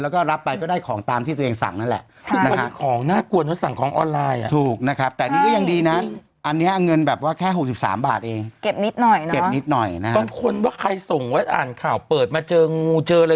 แล้วก็รับไปก็ได้ของตามที่ตัวเองสั่งนั่นแหละ